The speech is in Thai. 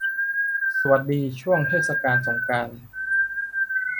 สวัสดีช่วงเทศกาลสงกรานต์